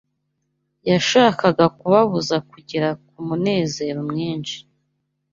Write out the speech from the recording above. yashakaga kubabuza kugera ku munezero mwinshi